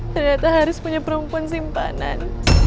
ternyata harus punya perempuan simpanan